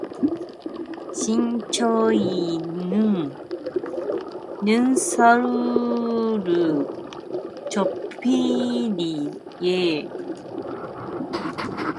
신철이는 눈살을 찌푸리며 쌀 백 가마니를 나를 생각을 해보았다.